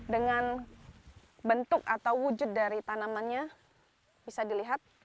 dengan bentuk atau wujud dari tanamannya bisa dilihat